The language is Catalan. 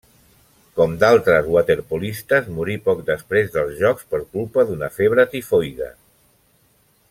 Com d'altres waterpolistes, morí poc després dels Jocs per culpa d'una febre tifoide.